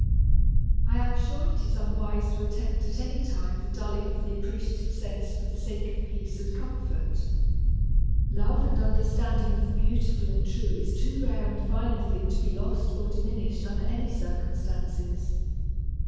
I am sure it is unwise to attempt at any time the dulling of the appreciative sense for the sake of peace and comfort. Love and understanding of the beautiful and true is too rare and fine a thing to be lost or diminished under any circumstances.